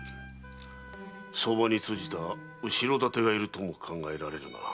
相場に通じた後ろ盾がいるとも考えられるな。